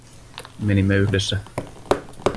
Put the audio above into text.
Menimme yhdessä.